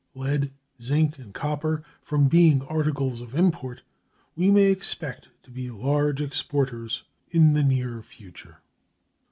Lead, zinc, and copper, from being articles of import, we may expect to be large exporters of in the near future.